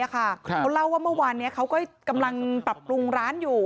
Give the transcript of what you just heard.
เขาเล่าว่าเมื่อวานนี้เขาก็กำลังปรับปรุงร้านอยู่